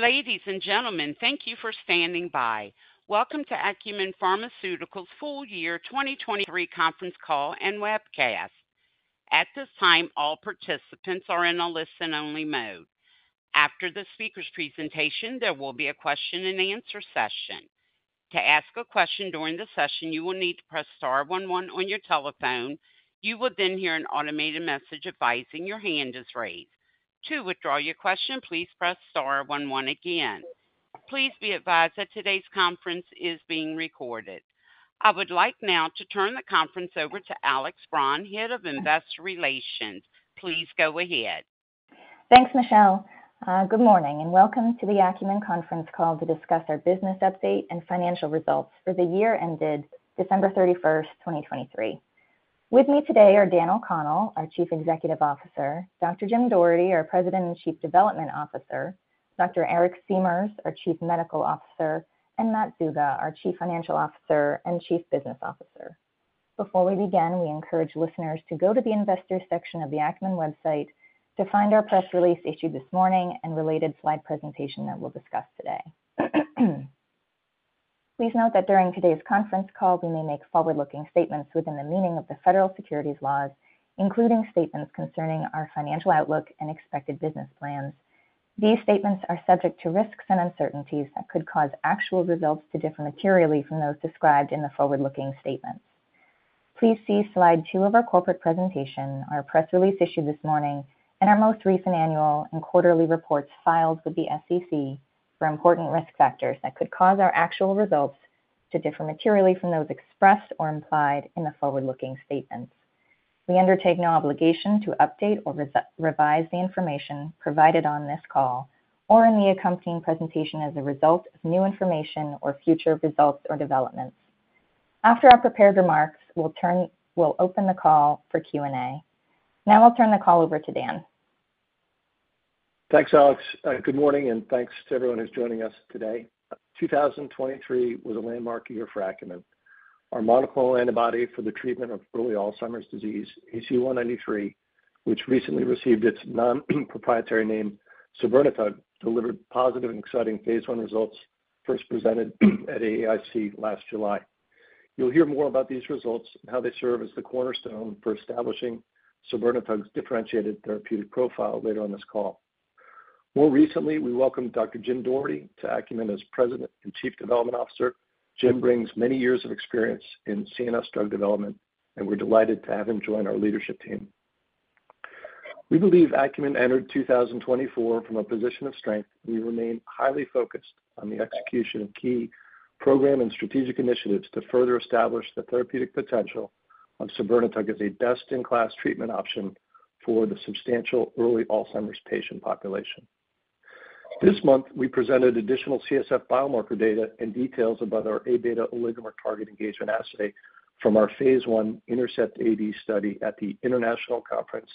Ladies and gentlemen, thank you for standing by. Welcome to Acumen Pharmaceuticals full year 2023 conference call and webcast. At this time, all participants are in a listen-only mode. After the speaker's presentation, there will be a question-and-answer session. To ask a question during the session, you will need to press star one one on your telephone. You will then hear an automated message advising your hand is raised. To withdraw your question, please press star one one again. Please be advised that today's conference is being recorded. I would like now to turn the conference over to Alex Braun, Head of Investor Relations. Please go ahead. Thanks, Michelle. Good morning and welcome to the Acumen conference call to discuss our business update and financial results for the year ended December 31, 2023. With me today are Daniel O'Connell, our Chief Executive Officer; Dr. Jim Doherty, our President and Chief Development Officer; Dr. Eric Siemers, our Chief Medical Officer; and Matt Zuga, our Chief Financial Officer and Chief Business Officer. Before we begin, we encourage listeners to go to the Investors section of the Acumen website to find our press release issued this morning and related slide presentation that we'll discuss today. Please note that during today's conference call, we may make forward-looking statements within the meaning of the federal securities laws, including statements concerning our financial outlook and expected business plans. These statements are subject to risks and uncertainties that could cause actual results to differ materially from those described in the forward-looking statements. Please see slide 2 of our corporate presentation, our press release issued this morning, and our most recent annual and quarterly reports filed with the SEC for important risk factors that could cause our actual results to differ materially from those expressed or implied in the forward-looking statements. We undertake no obligation to update or revise the information provided on this call or in the accompanying presentation as a result of new information or future results or developments. After our prepared remarks, we'll open the call for Q&A. Now I'll turn the call over to Dan. Thanks, Alex. Good morning and thanks to everyone who's joining us today. 2023 was a landmark year for Acumen. Our monoclonal antibody for the treatment of early Alzheimer's disease, ACU193, which recently received its nonproprietary name sabirnetug, delivered positive and exciting phase 1 results first presented at AAIC last July. You'll hear more about these results and how they serve as the cornerstone for establishing sabirnetug's differentiated therapeutic profile later on this call. More recently, we welcomed Dr. Jim Doherty to Acumen as President and Chief Development Officer. Jim brings many years of experience in CNS drug development, and we're delighted to have him join our leadership team. We believe Acumen entered 2024 from a position of strength. We remain highly focused on the execution of key program and strategic initiatives to further establish the therapeutic potential of sabirnetug as a best-in-class treatment option for the substantial early Alzheimer's patient population. This month, we presented additional CSF biomarker data and details about our A-beta oligomer target engagement assay from our phase 1 INTERCEPT-AD study at the International Conference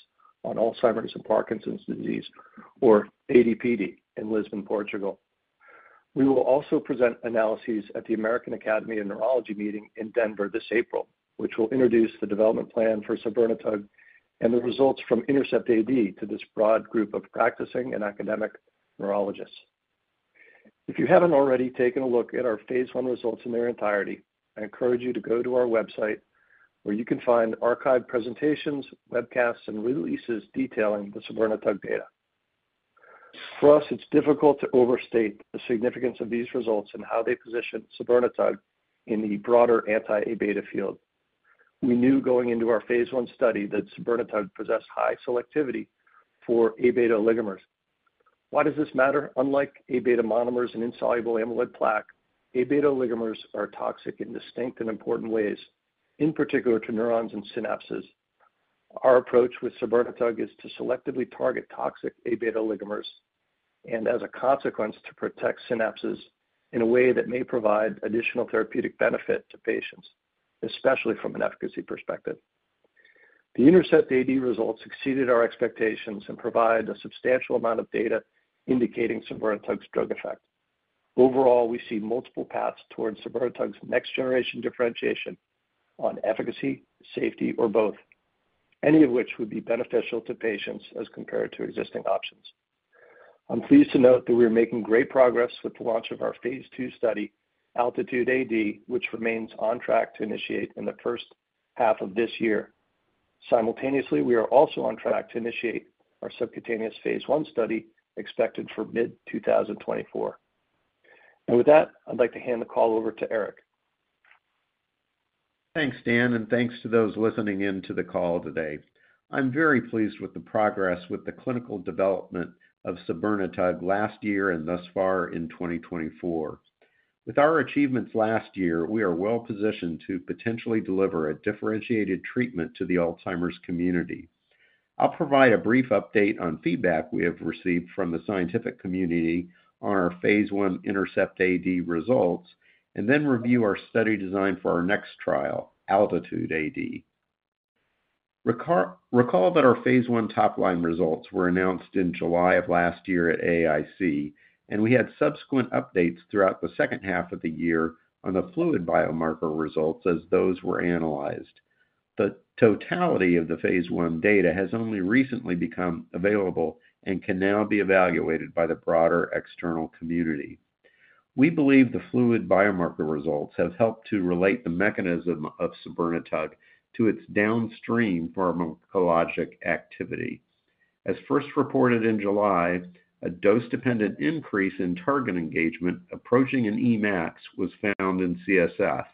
on Alzheimer's and Parkinson's Disease, or ADPD, in Lisbon, Portugal. We will also present analyses at the American Academy of Neurology meeting in Denver this April, which will introduce the development plan for sabirnetug and the results from INTERCEPT-AD to this broad group of practicing and academic neurologists. If you haven't already taken a look at our phase 1 results in their entirety, I encourage you to go to our website where you can find archived presentations, webcasts, and releases detailing the sabirnetug data. For us, it's difficult to overstate the significance of these results and how they position sabirnetug in the broader anti-A-beta field. We knew going into our phase 1 study that sabirnetug possessed high selectivity for A-beta oligomers. Why does this matter? Unlike A-beta monomers and insoluble amyloid plaque, A-beta oligomers are toxic in distinct and important ways, in particular to neurons and synapses. Our approach with sabirnetug is to selectively target toxic A-beta oligomers and, as a consequence, to protect synapses in a way that may provide additional therapeutic benefit to patients, especially from an efficacy perspective. The INTERCEPT-AD results exceeded our expectations and provide a substantial amount of data indicating sabirnetug's drug effect. Overall, we see multiple paths toward sabirnetug's next-generation differentiation on efficacy, safety, or both, any of which would be beneficial to patients as compared to existing options. I'm pleased to note that we are making great progress with the launch of our phase 2 study, ALTITUDE-AD, which remains on track to initiate in the first half of this year. Simultaneously, we are also on track to initiate our subcutaneous phase 1 study expected for mid-2024. With that, I'd like to hand the call over to Eric. Thanks, Dan, and thanks to those listening in to the call today. I'm very pleased with the progress with the clinical development of sabirnetug last year and thus far in 2024. With our achievements last year, we are well positioned to potentially deliver a differentiated treatment to the Alzheimer's community. I'll provide a brief update on feedback we have received from the scientific community on our phase 1 INTERCEPT-AD results and then review our study design for our next trial, ALTITUDE-AD. Recall that our phase 1 top-line results were announced in July of last year at AAIC, and we had subsequent updates throughout the second half of the year on the fluid biomarker results as those were analyzed. The totality of the phase 1 data has only recently become available and can now be evaluated by the broader external community. We believe the fluid biomarker results have helped to relate the mechanism of sabirnetug to its downstream pharmacologic activity. As first reported in July, a dose-dependent increase in target engagement approaching an Emax was found in CSF,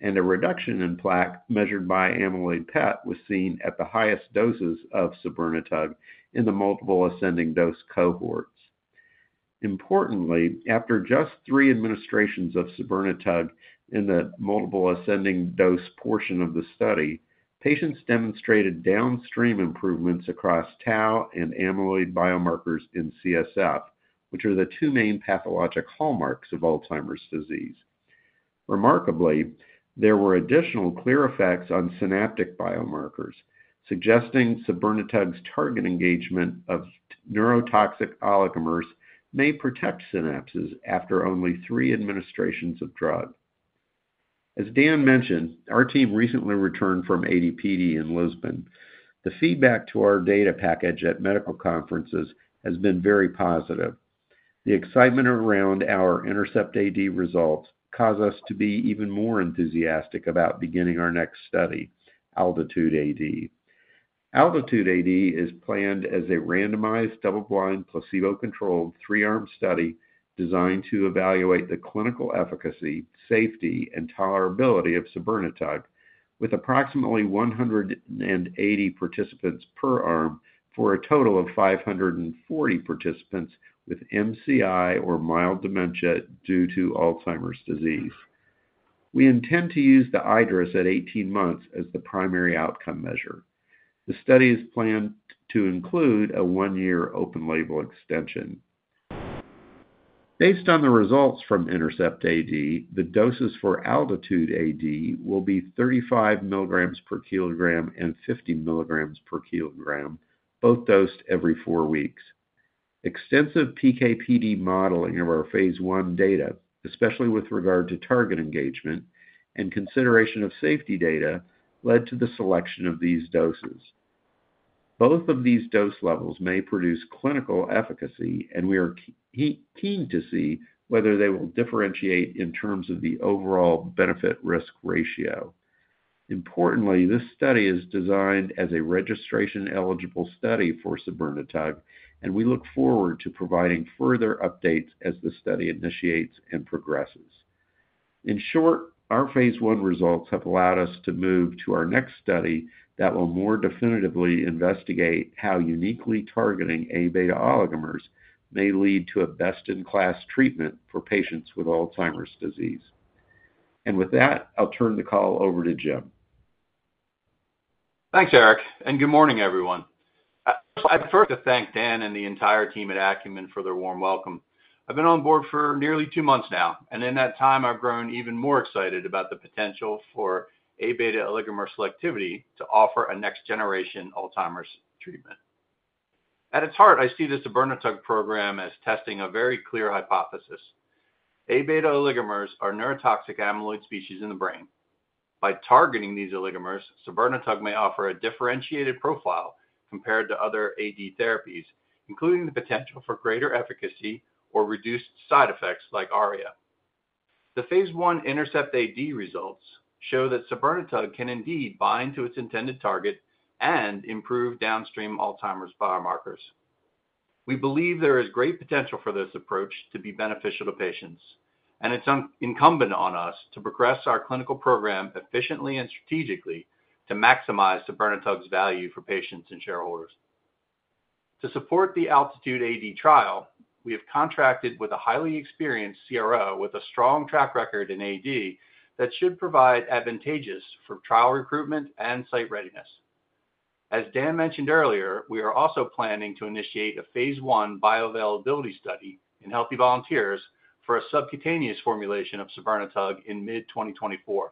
and a reduction in plaque measured by amyloid PET was seen at the highest doses of sabirnetug in the multiple ascending dose cohorts. Importantly, after just three administrations of sabirnetug in the multiple ascending dose portion of the study, patients demonstrated downstream improvements across tau and amyloid biomarkers in CSF, which are the two main pathologic hallmarks of Alzheimer's disease. Remarkably, there were additional clear effects on synaptic biomarkers, suggesting sabirnetug's target engagement of neurotoxic oligomers may protect synapses after only three administrations of drug. As Dan mentioned, our team recently returned from AD/PD in Lisbon. The feedback to our data package at medical conferences has been very positive. The excitement around our INTERCEPT-AD results caused us to be even more enthusiastic about beginning our next study, ALTITUDE-AD. ALTITUDE-AD is planned as a randomized double-blind placebo-controlled 3-arm study designed to evaluate the clinical efficacy, safety, and tolerability of sabirnetug, with approximately 180 participants per arm for a total of 540 participants with MCI or mild dementia due to Alzheimer's disease. We intend to use the iADRS at 18 months as the primary outcome measure. The study is planned to include a 1-year open-label extension. Based on the results from INTERCEPT-AD, the doses for ALTITUDE-AD will be 35 milligrams per kilogram and 50 milligrams per kilogram, both dosed every 4 weeks. Extensive PKPD modeling of our phase 1 data, especially with regard to target engagement and consideration of safety data, led to the selection of these doses. Both of these dose levels may produce clinical efficacy, and we are keen to see whether they will differentiate in terms of the overall benefit-risk ratio. Importantly, this study is designed as a registration-eligible study for sabirnetug, and we look forward to providing further updates as the study initiates and progresses. In short, our phase 1 results have allowed us to move to our next study that will more definitively investigate how uniquely targeting A-beta oligomers may lead to a best-in-class treatment for patients with Alzheimer's disease. With that, I'll turn the call over to Jim. Thanks, Eric, and good morning, everyone. I'd first like to thank Dan and the entire team at Acumen for their warm welcome. I've been on board for nearly two months now, and in that time, I've grown even more excited about the potential for A-beta oligomer selectivity to offer a next-generation Alzheimer's treatment. At its heart, I see the Saburnatug program as testing a very clear hypothesis: A-beta oligomers are neurotoxic amyloid species in the brain. By targeting these oligomers, Saburnatug may offer a differentiated profile compared to other AD therapies, including the potential for greater efficacy or reduced side effects like ARIA. The phase 1 INTERCEPT-AD results show that Saburnatug can indeed bind to its intended target and improve downstream Alzheimer's biomarkers. We believe there is great potential for this approach to be beneficial to patients, and it's incumbent on us to progress our clinical program efficiently and strategically to maximize sabirnetug's value for patients and shareholders. To support the ALTITUDE-AD trial, we have contracted with a highly experienced CRO with a strong track record in AD that should provide advantages for trial recruitment and site readiness. As Dan mentioned earlier, we are also planning to initiate a phase 1 bioavailability study in healthy volunteers for a subcutaneous formulation of sabirnetug in mid-2024.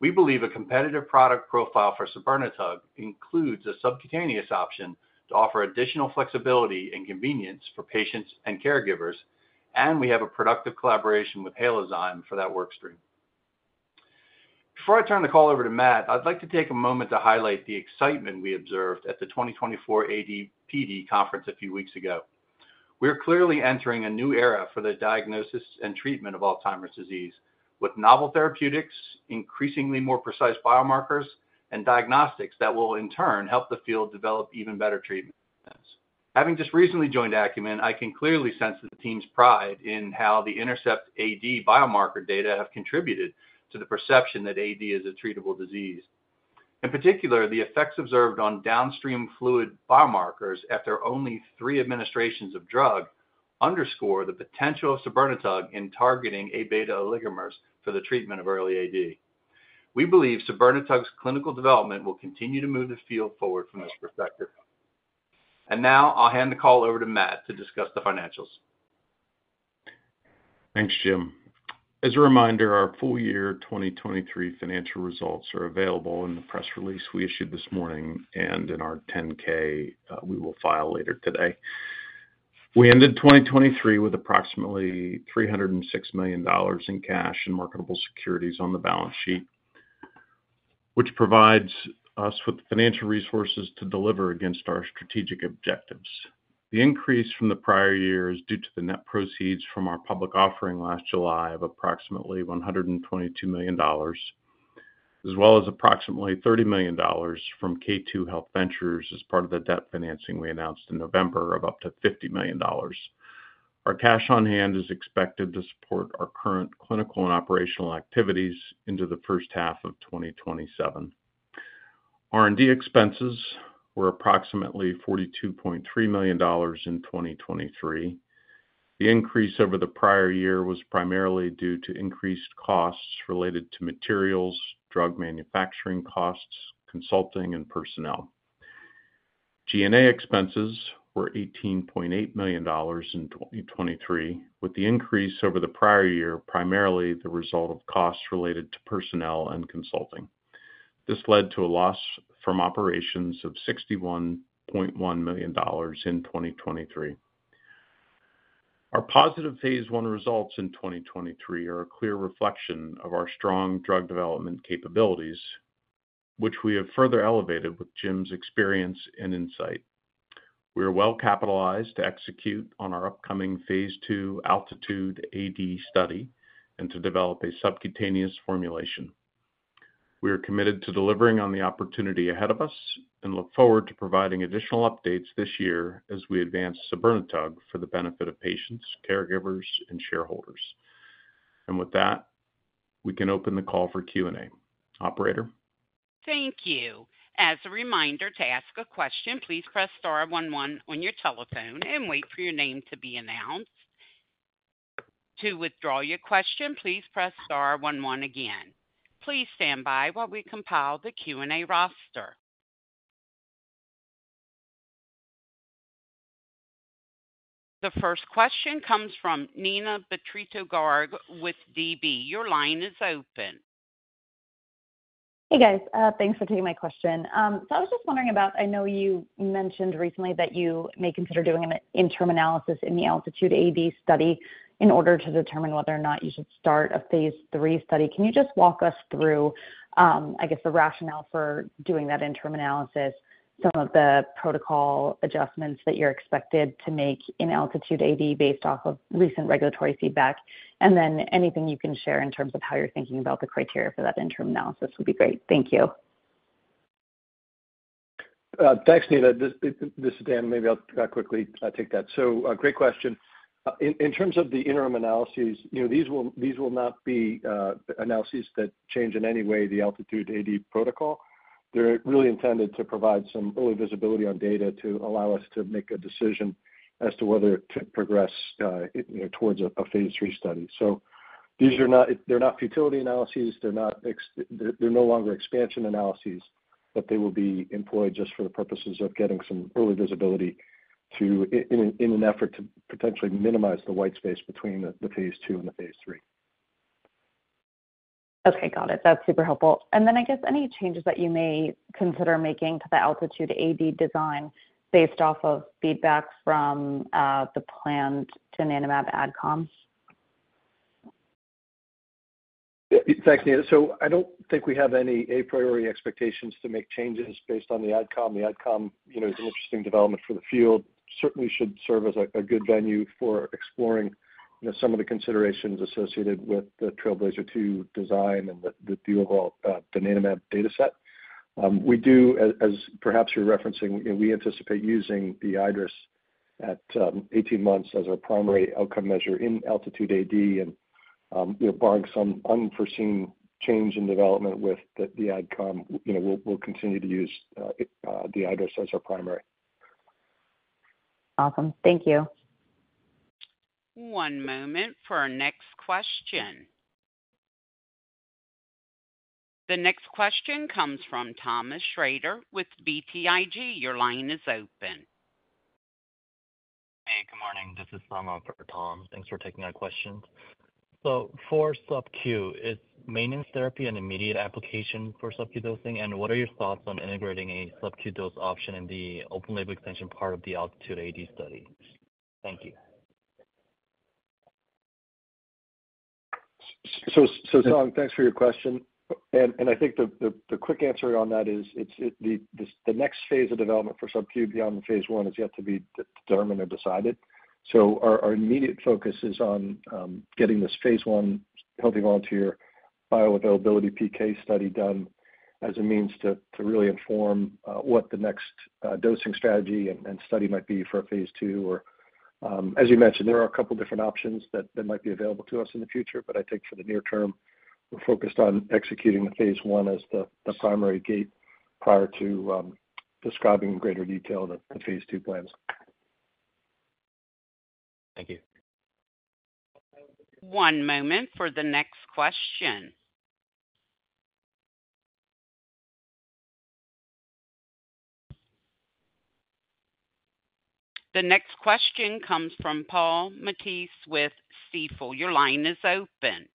We believe a competitive product profile for sabirnetug includes a subcutaneous option to offer additional flexibility and convenience for patients and caregivers, and we have a productive collaboration with Halozyme for that workstream. Before I turn the call over to Matt, I'd like to take a moment to highlight the excitement we observed at the 2024 AD/PD conference a few weeks ago. We are clearly entering a new era for the diagnosis and treatment of Alzheimer's disease, with novel therapeutics, increasingly more precise biomarkers, and diagnostics that will, in turn, help the field develop even better treatments. Having just recently joined Acumen, I can clearly sense the team's pride in how the INTERCEPT-AD biomarker data have contributed to the perception that AD is a treatable disease. In particular, the effects observed on downstream fluid biomarkers after only 3 administrations of drug underscore the potential of sabirnetug in targeting A-beta oligomers for the treatment of early AD. We believe sabirnetug's clinical development will continue to move the field forward from this perspective. Now I'll hand the call over to Matt to discuss the financials. Thanks, Jim. As a reminder, our full-year 2023 financial results are available in the press release we issued this morning, and in our 10-K we will file later today. We ended 2023 with approximately $306 million in cash and marketable securities on the balance sheet, which provides us with the financial resources to deliver against our strategic objectives. The increase from the prior year is due to the net proceeds from our public offering last July of approximately $122 million, as well as approximately $30 million from K2 HealthVentures as part of the debt financing we announced in November of up to $50 million. Our cash on hand is expected to support our current clinical and operational activities into the first half of 2027. R&D expenses were approximately $42.3 million in 2023. The increase over the prior year was primarily due to increased costs related to materials, drug manufacturing costs, consulting, and personnel. G&A expenses were $18.8 million in 2023, with the increase over the prior year primarily the result of costs related to personnel and consulting. This led to a loss from operations of $61.1 million in 2023. Our positive phase 1 results in 2023 are a clear reflection of our strong drug development capabilities, which we have further elevated with Jim's experience and insight. We are well capitalized to execute on our upcoming phase 2 ALTITUDE-AD study and to develop a subcutaneous formulation. We are committed to delivering on the opportunity ahead of us and look forward to providing additional updates this year as we advance sabirnetug for the benefit of patients, caregivers, and shareholders. And with that, we can open the call for Q&A. Operator. Thank you. As a reminder, to ask a question, please press star one on your telephone and wait for your name to be announced. To withdraw your question, please press star one again. Please stand by while we compile the Q&A roster. The first question comes from Neena Bitritto-Garg with DB. Your line is open. Hey, guys. Thanks for taking my question. So I was just wondering about. I know you mentioned recently that you may consider doing an internal analysis in the ALTITUDE-AD study in order to determine whether or not you should start a phase 3 study. Can you just walk us through, I guess, the rationale for doing that internal analysis, some of the protocol adjustments that you're expected to make in ALTITUDE-AD based off of recent regulatory feedback, and then anything you can share in terms of how you're thinking about the criteria for that internal analysis would be great? Thank you. Thanks, Neena. This is Dan. Maybe I'll quickly take that. So great question. In terms of the interim analyses, these will not be analyses that change in any way the ALTITUDE-AD protocol. They're really intended to provide some early visibility on data to allow us to make a decision as to whether to progress towards a phase 3 study. So they're not futility analyses. They're no longer expansion analyses, but they will be employed just for the purposes of getting some early visibility in an effort to potentially minimize the white space between the phase 2 and the phase 3. Okay. Got it. That's super helpful. And then, I guess, any changes that you may consider making to the ALTITUDE-AD design based off of feedback from the planned donanemab AdCom? Thanks, Neena. So I don't think we have any a priori expectations to make changes based on the AdCom. The AdCom is an interesting development for the field. Certainly should serve as a good venue for exploring some of the considerations associated with the Trailblazer 2 design and the overall donanemab dataset. We do, as perhaps you're referencing, we anticipate using the IDRIS at 18 months as our primary outcome measure in ALTITUDE-AD. And barring some unforeseen change in development with the AdCom, we'll continue to use the IDRIS as our primary. Awesome. Thank you. One moment for our next question. The next question comes from Thomas Shrader with BTIG. Your line is open. Hey. Good morning. This is Song Ong for Tom. Thanks for taking my questions. So for subQ, is maintenance therapy an immediate application for subQ dosing, and what are your thoughts on integrating a subQ dose option in the open-label extension part of the ALTITUDE-AD study? Thank you. Song, thanks for your question. I think the quick answer on that is the next phase of development for subQ beyond the phase 1 has yet to be determined or decided. Our immediate focus is on getting this phase 1 healthy volunteer bioavailability PK study done as a means to really inform what the next dosing strategy and study might be for a phase 2. As you mentioned, there are a couple of different options that might be available to us in the future, but I think for the near term, we're focused on executing the phase 1 as the primary gate prior to describing in greater detail the phase 2 plans. Thank you. One moment for the next question. The next question comes from Paul Matteis with Stifel. Your line is open.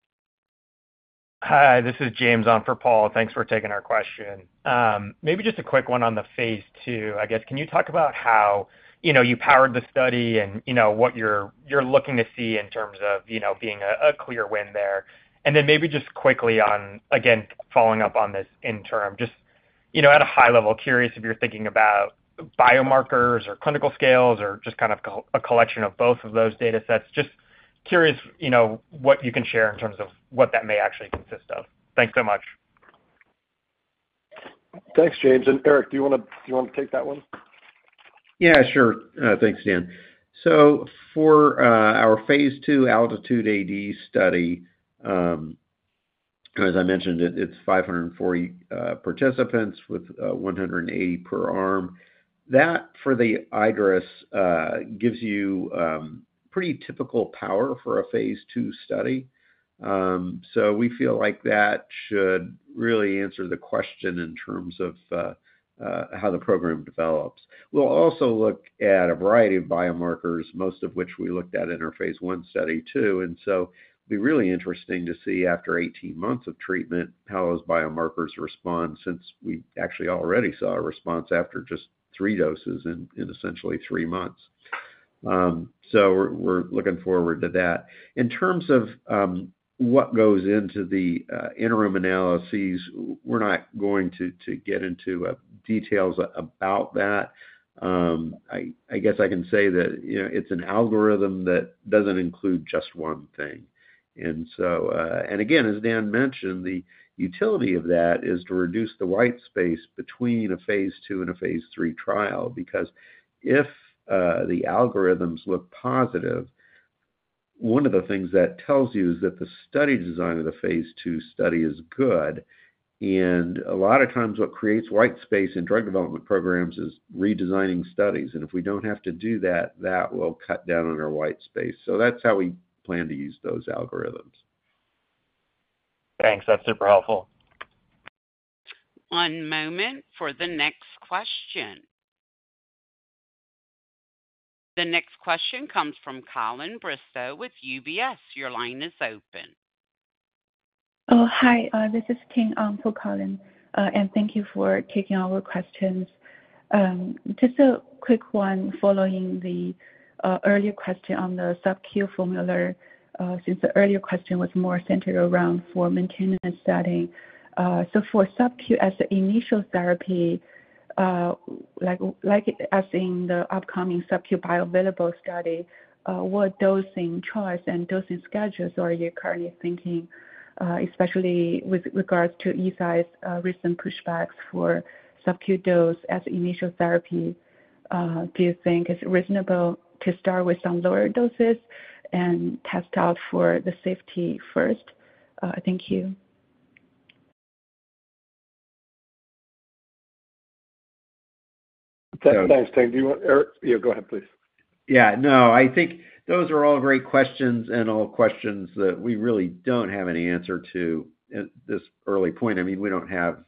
Hi. This is James Ong for Paul. Thanks for taking our question. Maybe just a quick one on the phase 2, I guess. Can you talk about how you powered the study and what you're looking to see in terms of being a clear win there? And then maybe just quickly on, again, following up on this in turn, just at a high level, curious if you're thinking about biomarkers or clinical scales or just kind of a collection of both of those datasets. Just curious what you can share in terms of what that may actually consist of. Thanks so much. Thanks, James. Eric, do you want to take that one? Yeah. Sure. Thanks, Dan. So for our phase 2 ALTITUDE-AD study, as I mentioned, it's 540 participants with 180 per arm. That, for the iADRS, gives you pretty typical power for a phase 2 study. So we feel like that should really answer the question in terms of how the program develops. We'll also look at a variety of biomarkers, most of which we looked at in our phase 1 study too. So it'll be really interesting to see after 18 months of treatment how those biomarkers respond since we actually already saw a response after just three doses in essentially three months. So we're looking forward to that. In terms of what goes into the interim analyses, we're not going to get into details about that. I guess I can say that it's an algorithm that doesn't include just one thing. Again, as Dan mentioned, the utility of that is to reduce the white space between a phase 2 and a phase 3 trial because if the algorithms look positive, one of the things that tells you is that the study design of the phase 2 study is good. A lot of times, what creates white space in drug development programs is redesigning studies. If we don't have to do that, that will cut down on our white space. So that's how we plan to use those algorithms. Thanks. That's super helpful. One moment for the next question. The next question comes from Colin Bristow with UBS. Your line is open. Oh, hi. This is King Ong for Colin. Thank you for taking all our questions. Just a quick one following the earlier question on the subQ formula since the earlier question was more centered around for maintenance study. For subQ as the initial therapy, as in the upcoming subQ bioavailability study, what dosing choice and dosing schedules are you currently thinking, especially with regards to Eisai's recent pushbacks for subQ dose as initial therapy? Do you think it's reasonable to start with some lower doses and test out for the safety first? Thank you. Thanks, King. Eric, go ahead, please. Yeah. No. I think those are all great questions and all questions that we really don't have any answer to at this early point. I mean, we don't have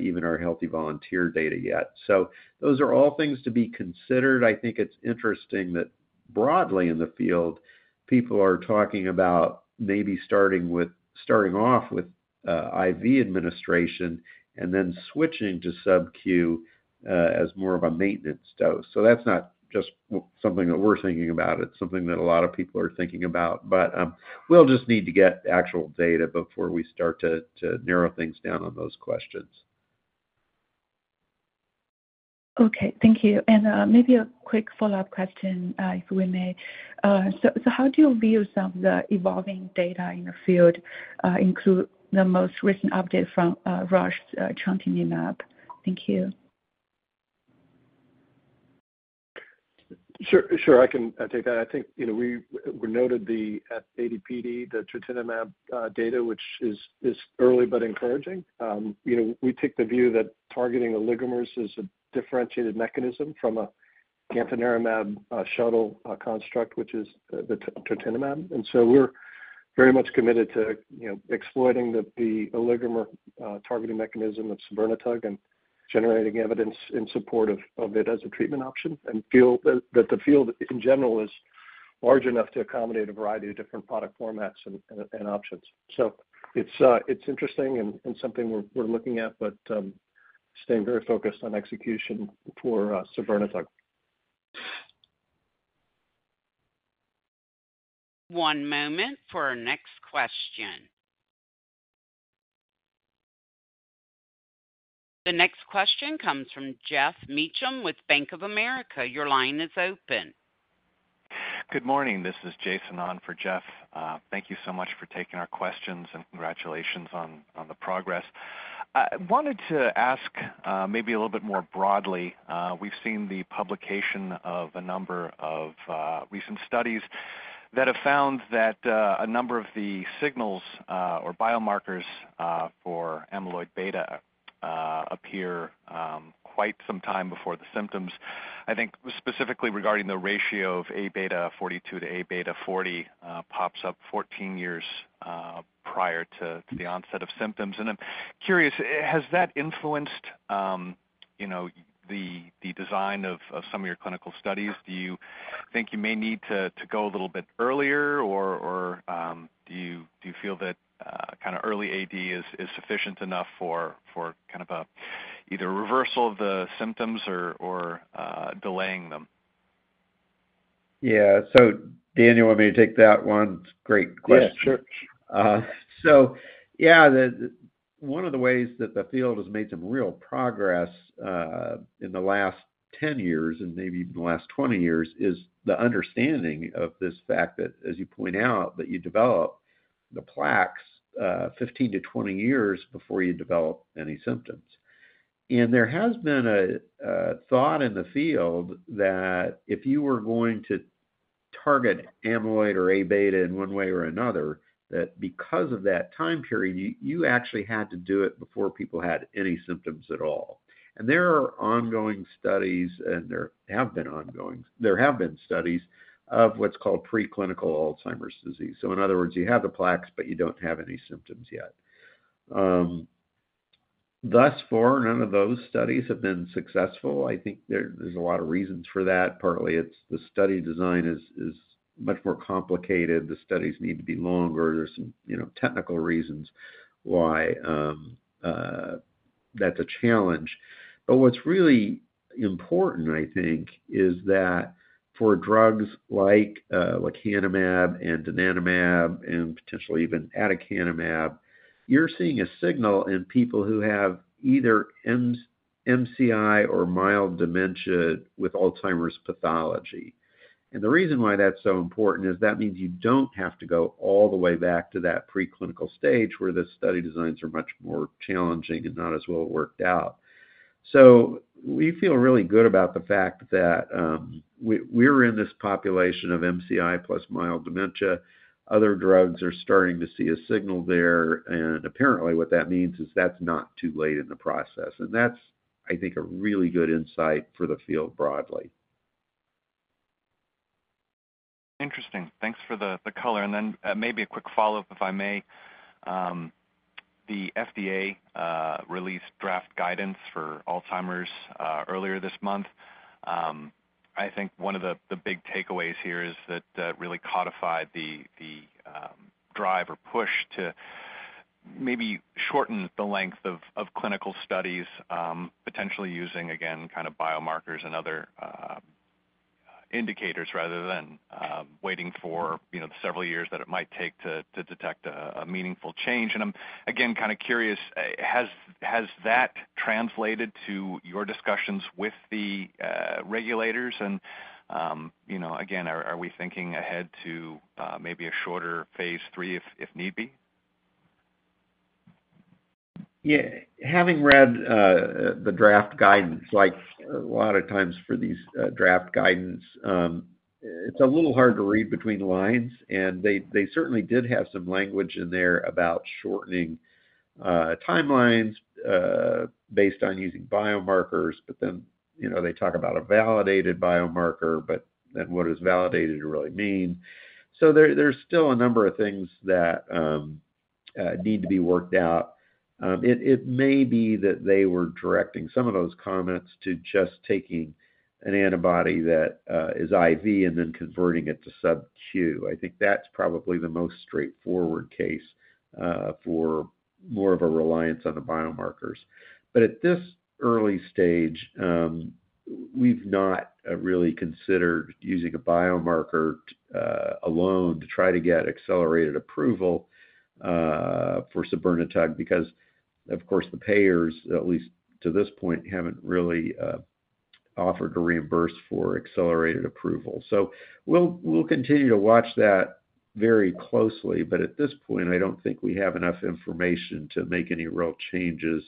even our Healthy Volunteer data yet. So those are all things to be considered. I think it's interesting that broadly in the field, people are talking about maybe starting off with IV administration and then switching to subQ as more of a maintenance dose. So that's not just something that we're thinking about. It's something that a lot of people are thinking about. But we'll just need to get actual data before we start to narrow things down on those questions. Okay. Thank you. And maybe a quick follow-up question, if we may. So how do you view some of the evolving data in the field, include the most recent update from Rush's trontinemab? Thank you. Sure. Sure. I can take that. I think we noted at AD/PD the trontinemab data, which is early but encouraging. We take the view that targeting oligomers is a differentiated mechanism from an antinaramab shuttle construct, which is the trontinemab. And so we're very much committed to exploiting the oligomer targeting mechanism of sabirnetug and generating evidence in support of it as a treatment option and feel that the field in general is large enough to accommodate a variety of different product formats and options. So it's interesting and something we're looking at, but staying very focused on execution for sabirnetug. One moment for our next question. The next question comes from Geoff Meacham with Bank of America. Your line is open. Good morning. This is Jason Ong for Jeff. Thank you so much for taking our questions and congratulations on the progress. I wanted to ask maybe a little bit more broadly. We've seen the publication of a number of recent studies that have found that a number of the signals or biomarkers for amyloid beta appear quite some time before the symptoms. I think specifically regarding the ratio of A beta 42 to A beta 40 pops up 14 years prior to the onset of symptoms. And I'm curious, has that influenced the design of some of your clinical studies? Do you think you may need to go a little bit earlier, or do you feel that kind of early AD is sufficient enough for kind of either a reversal of the symptoms or delaying them? Yeah. So Daniel, you want me to take that one? Great question. Yeah. Sure. So yeah, one of the ways that the field has made some real progress in the last 10 years and maybe even the last 20 years is the understanding of this fact that, as you point out, that you develop the plaques 15-20 years before you develop any symptoms. And there has been a thought in the field that if you were going to target amyloid or A beta in one way or another, that because of that time period, you actually had to do it before people had any symptoms at all. And there are ongoing studies, and there have been ongoing studies of what's called preclinical Alzheimer's disease. So in other words, you have the plaques, but you don't have any symptoms yet. Thus far, none of those studies have been successful. I think there's a lot of reasons for that. Partly, the study design is much more complicated. The studies need to be longer. There's some technical reasons why that's a challenge. But what's really important, I think, is that for drugs like lecanemab and donanemab and potentially even aducanumab, you're seeing a signal in people who have either MCI or mild dementia with Alzheimer's pathology. And the reason why that's so important is that means you don't have to go all the way back to that preclinical stage where the study designs are much more challenging and not as well worked out. So we feel really good about the fact that we're in this population of MCI plus mild dementia. Other drugs are starting to see a signal there. And apparently, what that means is that's not too late in the process. And that's, I think, a really good insight for the field broadly. Interesting. Thanks for the color. And then maybe a quick follow-up, if I may. The FDA released draft guidance for Alzheimer's earlier this month. I think one of the big takeaways here is that really codified the drive or push to maybe shorten the length of clinical studies, potentially using, again, kind of biomarkers and other indicators rather than waiting for the several years that it might take to detect a meaningful change. And I'm, again, kind of curious, has that translated to your discussions with the regulators? And again, are we thinking ahead to maybe a shorter phase 3 if need be? Yeah. Having read the draft guidance, like a lot of times for these draft guidances, it's a little hard to read between lines. And they certainly did have some language in there about shortening timelines based on using biomarkers. But then they talk about a validated biomarker, but then what does validated really mean? So there's still a number of things that need to be worked out. It may be that they were directing some of those comments to just taking an antibody that is IV and then converting it to subQ. I think that's probably the most straightforward case for more of a reliance on the biomarkers. But at this early stage, we've not really considered using a biomarker alone to try to get accelerated approval for sabirnetug because, of course, the payers, at least to this point, haven't really offered a reimburse for accelerated approval. So we'll continue to watch that very closely. But at this point, I don't think we have enough information to make any real changes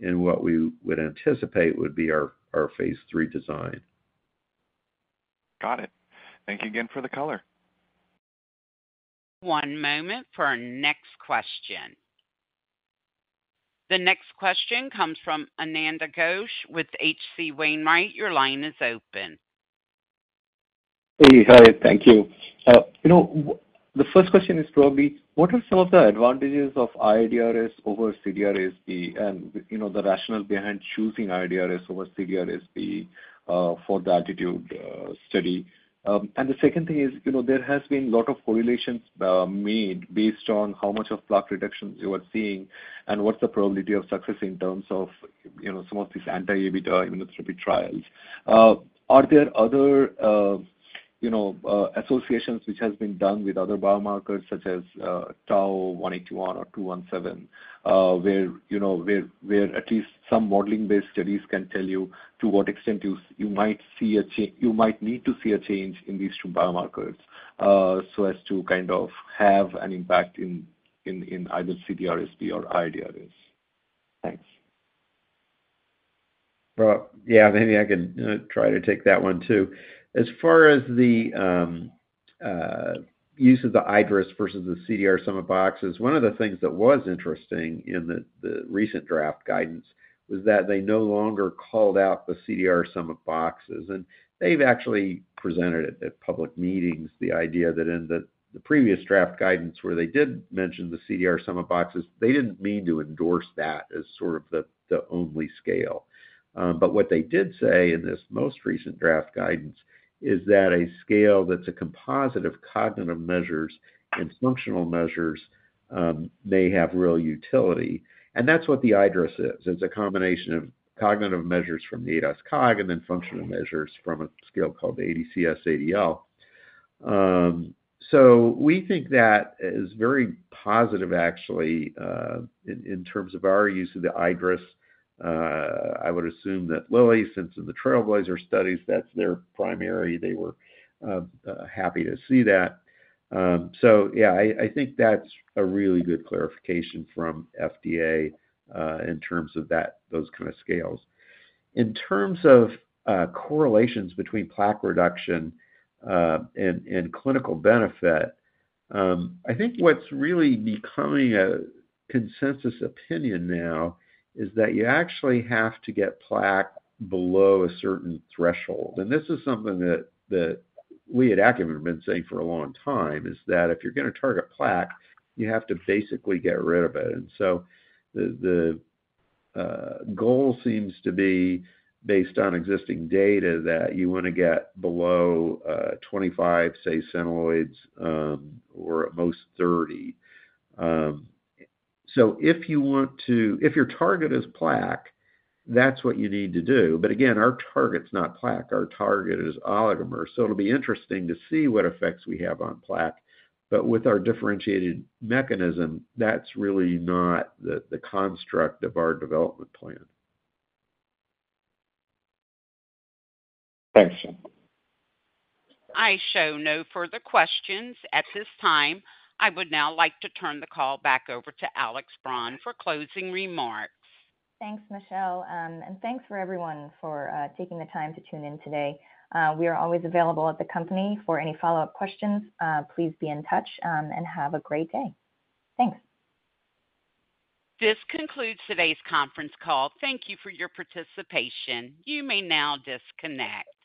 in what we would anticipate would be our phase 3 design. Got it. Thank you again for the color. One moment for our next question. The next question comes from Ananda Ghosh with H.C. Wainwright. Your line is open. Hey. Hi. Thank you. The first question is probably, what are some of the advantages of iADRS over CDR-SB and the rationale behind choosing iADRS over CDR-SB for the ALTITUDE-AD study? And the second thing is there has been a lot of correlations made based on how much of plaque reduction you are seeing and what's the probability of success in terms of some of these anti-amyloid immunotherapy trials. Are there other associations which have been done with other biomarkers such as tau 181 or 217 where at least some modeling-based studies can tell you to what extent you might need to see a change in these two biomarkers so as to kind of have an impact in either CDR-SB or iADRS? Thanks. Yeah. Maybe I can try to take that one too. As far as the use of the iADRS versus the CDR sum of boxes, one of the things that was interesting in the recent draft guidance was that they no longer called out the CDR sum of boxes. And they've actually presented it at public meetings, the idea that in the previous draft guidance where they did mention the CDR sum of boxes, they didn't mean to endorse that as sort of the only scale. But what they did say in this most recent draft guidance is that a scale that's a composite of cognitive measures and functional measures may have real utility. And that's what the iADRS is. It's a combination of cognitive measures from the ADAS-Cog and then functional measures from a scale called the ADCS-ADL. So we think that is very positive, actually, in terms of our use of the iADRS. I would assume that Lilly, since in the TRAILBLAZER studies, that's their primary. They were happy to see that. So yeah, I think that's a really good clarification from FDA in terms of those kind of scales. In terms of correlations between plaque reduction and clinical benefit, I think what's really becoming a consensus opinion now is that you actually have to get plaque below a certain threshold. And this is something that we at Acumen have been saying for a long time is that if you're going to target plaque, you have to basically get rid of it. And so the goal seems to be based on existing data that you want to get below 25, say, Centiloids or at most 30. So if your target is plaque, that's what you need to do. But again, our target's not plaque. Our target is oligomers. So it'll be interesting to see what effects we have on plaque. But with our differentiated mechanism, that's really not the construct of our development plan. Thanks, Dan. I show no further questions at this time. I would now like to turn the call back over to Alex Braun for closing remarks. Thanks, Michelle. Thanks for everyone for taking the time to tune in today. We are always available at the company for any follow-up questions. Please be in touch and have a great day. Thanks. This concludes today's conference call. Thank you for your participation. You may now disconnect.